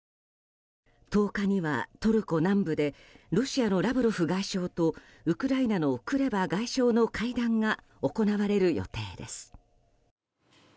１０日にはトルコ南部でロシアのラブロフ外相とウクライナのクレバ外相の会談が行われる予定です。